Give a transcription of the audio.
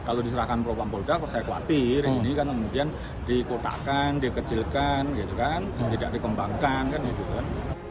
kalau diserahkan propam polda kok saya khawatir ini kan kemudian dikotakkan dikecilkan gitu kan tidak dikembangkan kan gitu kan